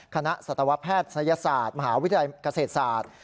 สัตวแพทยศาสตร์มหาวิทยาลัยเกษตรศาสตร์